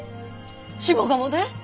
下鴨で！？